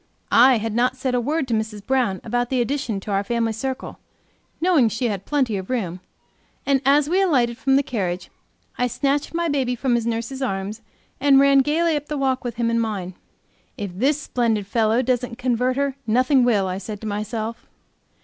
I had not said a word to Mrs. Brown about the addition to our family circle, knowing she had plenty of room, and as we alighted from the carriage, I snatched my baby from his nurse's arms and ran gaily up the walk with him in mine. "If this splendid fellow doesn't convert her nothing will," I said to myself.